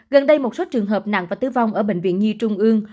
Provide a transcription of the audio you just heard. gần đây một số trường hợp nặng và tử vong ở bệnh viện nhi trung ương